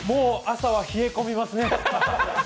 朝は冷え込みますね。